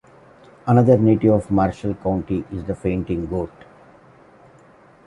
Another native of Marshall County is the fainting goat.